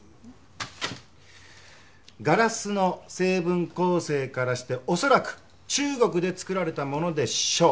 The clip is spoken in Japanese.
ガラスの成分構成からして恐らく中国で作られたものでしょう。